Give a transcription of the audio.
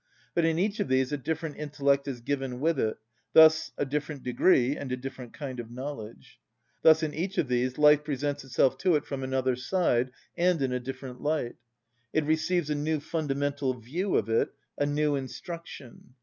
But in each of these a different intellect is given with it, thus a different degree and a different kind of knowledge. Thus in each of these life presents itself to it from another side and in a different light: it receives a new fundamental view of it, a new instruction.